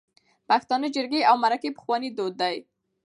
پښتانه جرګی او مرکی پخواني دود ده